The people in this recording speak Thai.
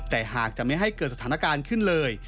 แต่หากจะไม่ให้เกิดสถานการณ์ขึ้นเลย